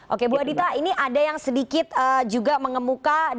oke bu adita ini ada yang sedikit juga mengemuka